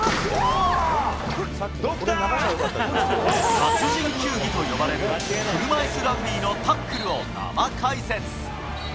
殺人球技と呼ばれる車いすラグビーのタックルを生解説。